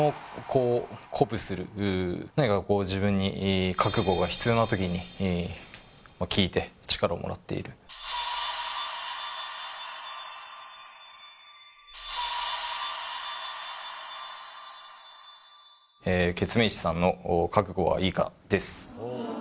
何かこう自分に覚悟が必要な時に聴いて力をもらっているケツメイシさんの「覚悟はいいか」です